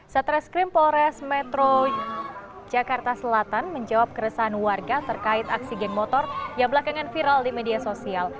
satreskrim polres metro jakarta selatan menjawab keresahan warga terkait aksi geng motor yang belakangan viral di media sosial